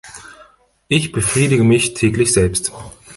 Ich befriedige mich täglich selbst.